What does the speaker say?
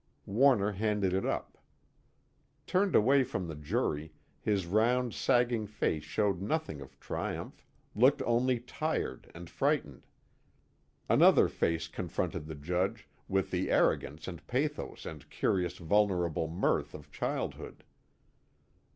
Warner handed it up. Turned away from the jury, his round sagging face showed nothing of triumph, looked only tired and frightened. Another face confronted the Judge, with the arrogance and pathos and curious vulnerable mirth of childhood.